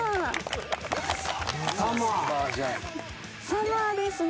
サマーですね。